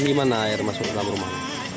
di mana air masuk ke dalam rumah